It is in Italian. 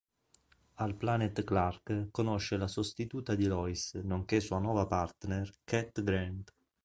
Al Planet Clark conosce la sostituta di Lois, nonché sua nuova partner, Cat Grant.